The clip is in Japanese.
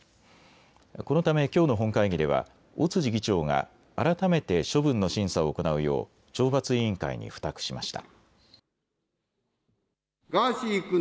このためきょうの本会議では尾辻議長が改めて処分の審査を行うよう懲罰委員会に付託しました。